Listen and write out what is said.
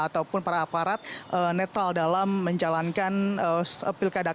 ataupun para aparat netral dalam menjalankan pilkada ke enam